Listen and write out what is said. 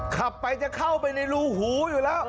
ขับไปจะเข้าไปในรูหูอยู่แล้ว